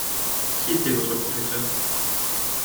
Qui était votre professeur ?